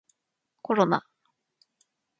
コロナ